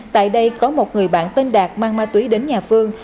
tại đây có một người bạn tên đạt mang ma túy đến nhà phương